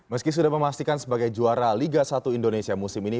meski sudah memastikan sebagai juara liga satu indonesia musim ini